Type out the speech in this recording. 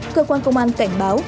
cơ quan công an cảnh báo